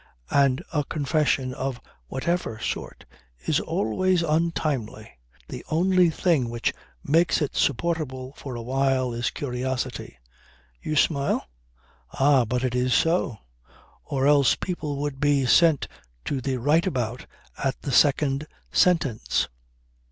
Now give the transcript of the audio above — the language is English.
And a confession of whatever sort is always untimely. The only thing which makes it supportable for a while is curiosity. You smile? Ah, but it is so, or else people would be sent to the rightabout at the second sentence.